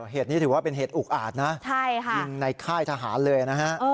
เหตุนี้ถือว่าเป็นเหตุอุกอาจนะยิงในค่ายทหารเลยนะฮะ